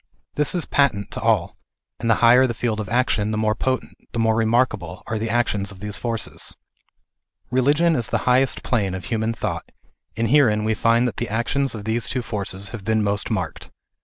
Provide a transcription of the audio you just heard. This is patent to all, and the higher the field of action the more potent, the more remarkable, are the actions of these forces. Religion is the highest plane of human thought, and herein we find that the actions of these two forces have been most marked.